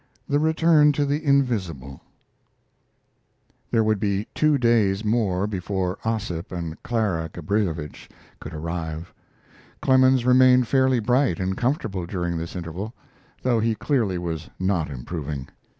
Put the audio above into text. THE RETURN TO THE INVISIBLE There would be two days more before Ossip and Clara Gabrilowitsch could arrive. Clemens remained fairly bright and comfortable during this interval, though he clearly was not improving.